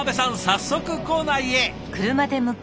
早速坑内へ。